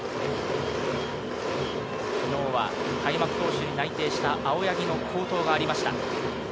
昨日は開幕投手に内定した青柳の好投がありました。